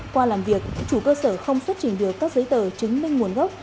qua làm việc chủ cơ sở không xuất trình được các giấy tờ chứng minh nguồn gốc